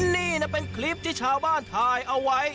นี่นะเป็นคลิปที่ชาวบ้านถ่ายเอาไว้